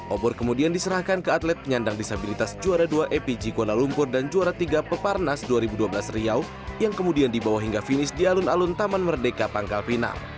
obor kemudian diserahkan ke atlet penyandang disabilitas juara dua apg kuala lumpur dan juara tiga peparnas dua ribu dua belas riau yang kemudian dibawa hingga finish di alun alun taman merdeka pangkal pinang